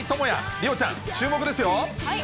梨央ちゃん、注目ですよ。